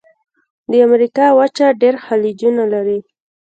د امریکا وچه ډېر خلیجونه لري.